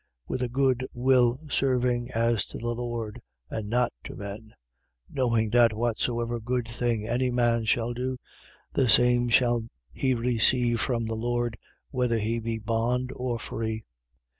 6:7. With a good will serving, as to the Lord, and not to men. 6:8. Knowing that whatsoever good thing any man shall do, the same shall he receive from the Lord, whether he be bond or free.